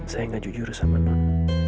saya nggak jujur sama non